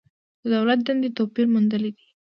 د دولت دندې توپیر موندلی دی.